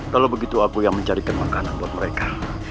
kalau begitu aku yang mencarikan makanan buat mereka